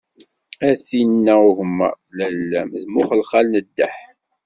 A tinn-a n ugemmaḍ, lalla-m d mm uxelxal n ddeḥ.